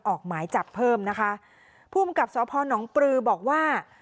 ออกหมายจับเพิ่มนะคะภูมิกับสพนปลือบอกว่า